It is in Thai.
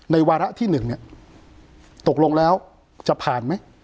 วาระที่๑เนี่ยตกลงแล้วจะผ่านไหม